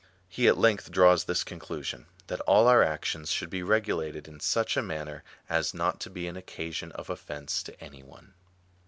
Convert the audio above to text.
He at length draws this conclusion, that all our actions should be regulated in such a manner as not to be an occasion of offence to any one.